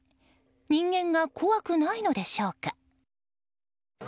人間が怖くないのでしょうか。